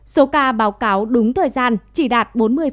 số ca báo cáo đúng thời gian chỉ đạt bốn mươi